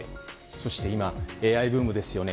そして今、ＡＩブームですよね。